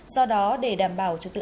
do đó để đảm bảo trực tự